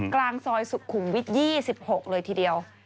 กลางซอยสุขุมวิทย์๒๖เลยทีเดียว